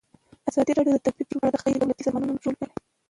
ازادي راډیو د طبیعي پېښې په اړه د غیر دولتي سازمانونو رول بیان کړی.